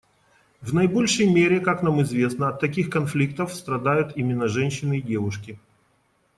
В наибольшей мере, как нам известно, от таких конфликтов страдают именно женщины и девушки.